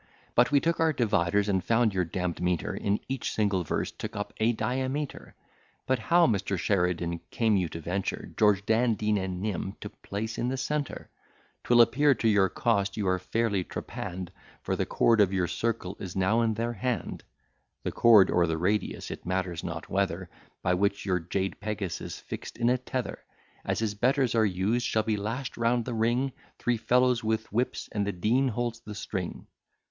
But we took our dividers, and found your d n'd metre, In each single verse, took up a diameter. But how, Mr. Sheridan, came you to venture George, Dan, Dean, and Nim, to place in the centre? 'Twill appear to your cost, you are fairly trepann'd, For the chord of your circle is now in their hand. The chord, or the radius, it matters not whether, By which your jade Pegasus, fix'd in a tether, As his betters are used, shall be lash'd round the ring, Three fellows with whips, and the Dean holds the string.